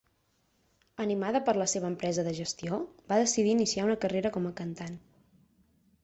Animada per la seva empresa de gestió, va decidir iniciar una carrera com a cantant.